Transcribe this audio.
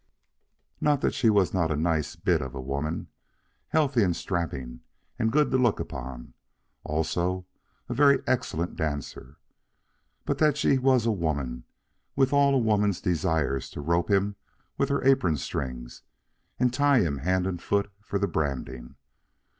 Not that she was not a nice bit of a woman, healthy and strapping and good to look upon, also a very excellent dancer, but that she was a woman with all a woman's desire to rope him with her apron strings and tie him hand and foot for the branding.